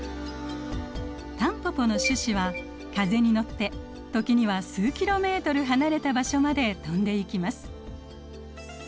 タンポポの種子は風に乗って時には数キロメートル離れた場所まで飛んでいきます。